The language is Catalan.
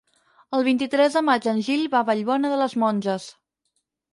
El vint-i-tres de maig en Gil va a Vallbona de les Monges.